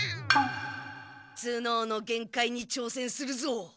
頭脳の限界に挑戦するぞ！